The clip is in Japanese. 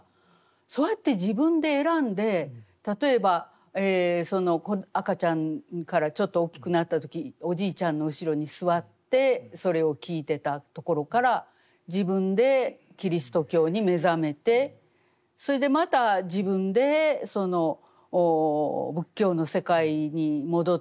そうやって自分で選んで例えば赤ちゃんからちょっと大きくなった時おじいちゃんの後ろに座ってそれを聞いてたところから自分でキリスト教に目覚めてそれでまた自分で仏教の世界に戻ってきた。